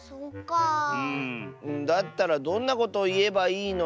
だったらどんなことをいえばいいの？